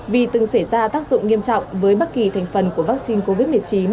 vì từng xảy ra tác dụng nghiêm trọng với bất kỳ thành phần của vaccine covid một mươi chín